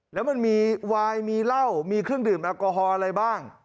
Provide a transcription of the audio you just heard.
แล้วมันมีวายมีเหล้ามีเครื่องดื่มแอลกอฮอลอะไรบ้าง